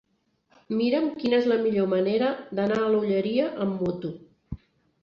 Mira'm quina és la millor manera d'anar a l'Olleria amb moto.